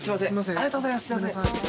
ありがとうございます。